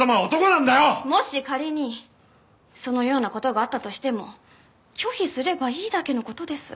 もし仮にそのような事があったとしても拒否すればいいだけの事です。